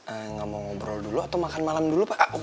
enggak mau ngobrol dulu atau makan malam dulu pak